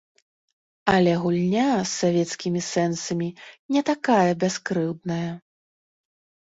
Але гульня з савецкімі сэнсамі не такая бяскрыўдная.